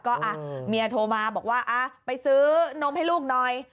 ก็เมียโทรมาบอกว่าไปซื้อนมให้ลูกหน่อย